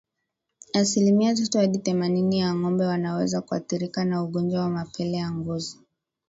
Asilimia tatu hadi themanini ya ngombe wanaweza kuathirika na ugonjwa wa mapele ya ngozi